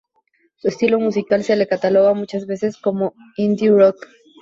Su estilo musical se lo cataloga muchas veces como indie rock.